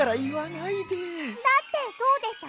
だってそうでしょ？